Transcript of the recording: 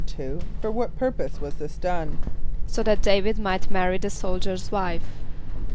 = For what purpose was this done? =So that D[=a]´vid might marry the soldier's wife.